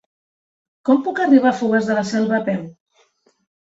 Com puc arribar a Fogars de la Selva a peu?